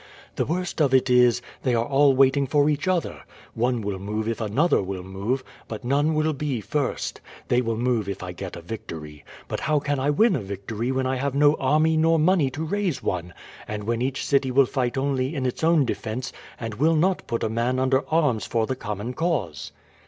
The worst of it is, they are all waiting for each other. One will move if another will move, but none will be first. They will move if I get a victory. But how can I win a victory when I have no army nor money to raise one, and when each city will fight only in its own defence, and will not put a man under arms for the common cause?"